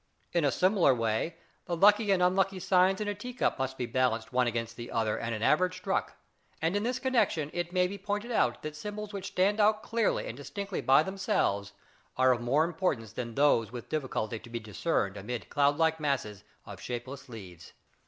In a similar way the lucky and unlucky, signs in a tea cup must be balanced one against the other and an average struck: and in this connection it may be pointed out that symbols which stand out clearly and distinctly by themselves are of more importance than those with difficulty to be discerned amid cloudlike masses of shapeless leaves.